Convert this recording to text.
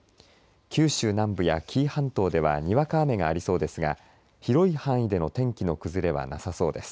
九州南部や紀伊半島ではにわか雨がありそうですが広い範囲での天気の崩れはなさそうです。